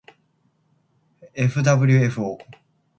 ｆｗｆ ぉ